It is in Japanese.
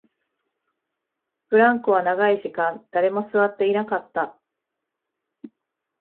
ブランコは長い時間、誰も座っていなかった